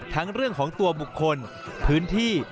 เรื่องของตัวบุคคลพื้นที่